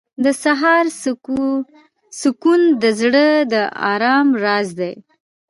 • د سهار سکون د زړه د آرام راز دی.